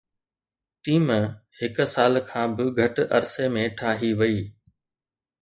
team هڪ سال کان به گهٽ عرصي ۾ ٺاهي وئي